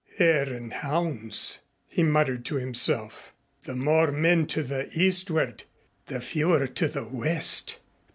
"Hare and hounds!" he muttered to himself. "The more men to the eastward, the fewer to the west.